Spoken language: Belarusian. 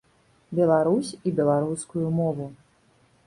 Беларусь і беларускую мову.